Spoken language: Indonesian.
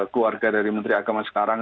keluarga dari menteri agama sekarang